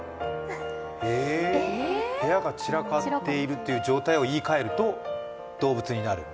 部屋が散らかっているという状態を言いかえると動物になる？